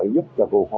giúp cho khu phố